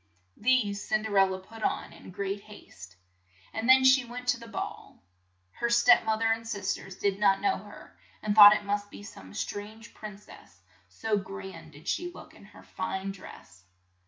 These Cin der el la put on in great haste, and then she went to the ball. Her step moth er and sis ters did not know her, and thought it must be some strange prin cess, so grand did she look in her fine dress.